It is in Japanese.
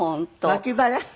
脇腹？